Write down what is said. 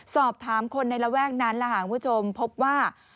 สอบถามคนในระแว่งนั้นละหากร้องคุณผู้ชมพบว่า